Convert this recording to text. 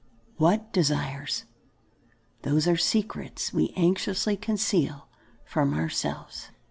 What desires? Those are the secrets we anxiously conceal from ourselves.